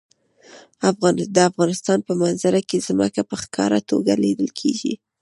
د افغانستان په منظره کې ځمکه په ښکاره توګه لیدل کېږي.